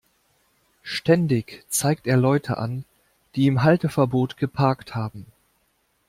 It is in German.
Ständig zeigt er Leute an, die im Halteverbot geparkt haben.